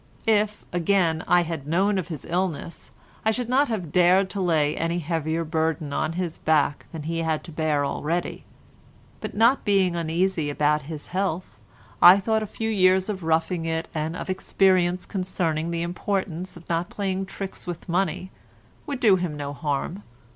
If, again, I had known of his illness I should not have dared to lay any heavier burden on his back than he had to bear already; but not being uneasy about his health, I thought a few years of roughing it and of experience concerning the importance of not playing tricks with money would do him no harm.